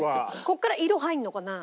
ここから色入るのかな？